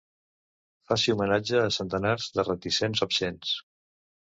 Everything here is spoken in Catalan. Faci homenatge a centenars de reticents absents.